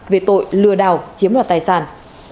về tội lừa đảo chiếm loạt tài sản